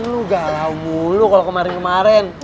lu galau mulu kalau kemarin kemarin